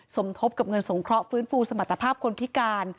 สมทบกับเงินสงเคราะห์ฟื้นฟูสมรรถภาพคนพิการ